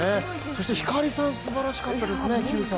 そして晃さん、すばらしかったですね、９歳。